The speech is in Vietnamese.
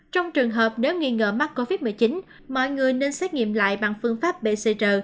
trong trường hợp nếu nghi ngờ mắc covid một mươi chín mọi người nên xét nghiệm lại bằng phương pháp bcr